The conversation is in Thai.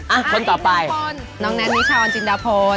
อ่ะคนต่อไปน้องแน่นนิชาออนจินดาโพน